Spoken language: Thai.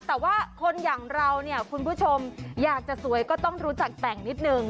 แต่ว่าคนอย่างเราเนี่ยคุณผู้ชมอยากจะสวยก็ต้องรู้จักแต่งนิดนึง